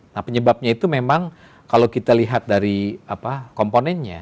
nah penyebabnya itu memang kalau kita lihat dari komponennya